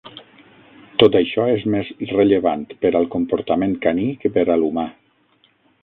Tot això és més rellevant per al comportament caní que per a l'humà.